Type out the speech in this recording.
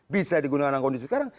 bisa digunakan dalam kondisi sekarang